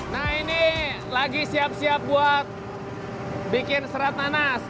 nah ini lagi siap siap buat bikin serat nanas